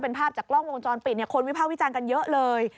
เป็นภาพจากกล้องวงจรปิดคนวิภาควิจารณ์กันเยอะเลย